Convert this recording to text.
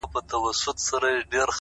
د یخې اوبو لومړی څاڅکی بدن بیداروي؛